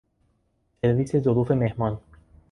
سرویس ظروف مهمان